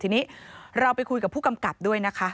ทีนี้เราไปคุยกับผู้กำกับด้วยนะคะ